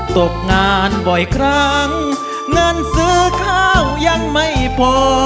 ตกงานบ่อยครั้งเงินซื้อข้าวยังไม่พอ